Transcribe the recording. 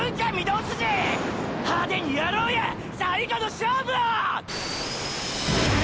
派手に闘ろうや最後の勝負を！！